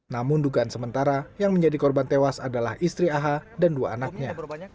namun dugaan sementara yang menjadi korban tewas adalah istri aha dan dua anaknya